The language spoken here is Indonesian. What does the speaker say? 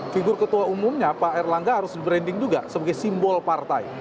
figur ketua umumnya pak erlangga harus branding juga sebagai simbol partai